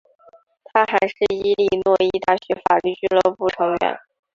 他还是伊利诺伊大学法律俱乐部成员。